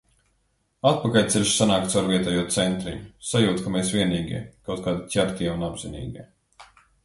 Atpakaļceļš sanāk caur vietējo centriņu. Sajūta, ka mēs vienīgie, kaut kādi ķertie un apzinīgie.